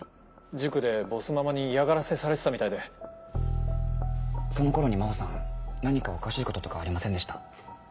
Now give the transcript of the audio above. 塾でボスママに嫌がらせされてたみたいでその頃に真帆さん何かおかしいこととかありませんでした？